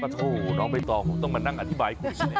โธ่น้องไม่ต้องต้องมานั่งอธิบายคุณ